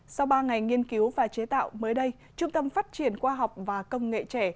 sau ba ngày nghiên cứu và chế tạo mới đây trung tâm phát triển khoa học và công nghệ trẻ